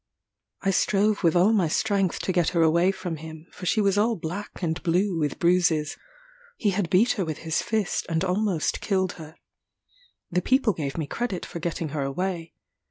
I strove with all my strength to get her away from him; for she was all black and blue with bruises. He had beat her with his fist, and almost killed her. The people gave me credit for getting her away.